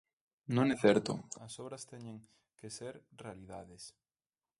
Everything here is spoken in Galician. Non é certo, as obras teñen que ser realidades.